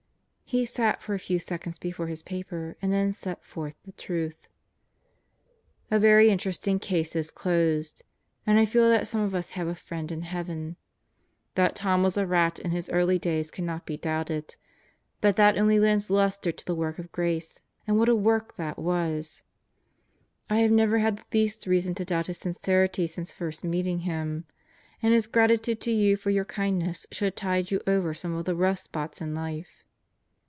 He sat for a few seconds before his paper then set forth the truth: "A very interesting case is closed ... and I feel that some of us have a friend in heaven. That Tom was a rat in his early days cannot be doubted but that only lends luster to the work of grace, and what a work that was! I have never had the least reason to doubt his sincerity since first meeting him. And his gratitude to you for your kindnesses should tide you over some of the rough spots in life."